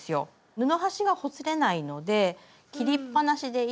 布端がほつれないので切りっぱなしでいい。